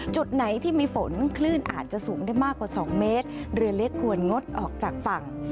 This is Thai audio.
จุดไหนที่มีฝนคลื่นอาจจะสูงได้มากกว่า๒เมตรเรือเล็กควรงดออกจากฝั่ง